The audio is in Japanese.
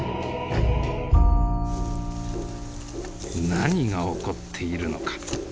何が起こっているのか。